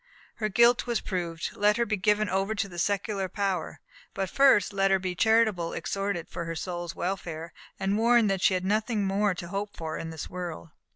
Her guilt was proved; let her be given over to the secular power; but first let her be charitably exhorted for her soul's welfare, and warned that she had nothing more to hope for in this world.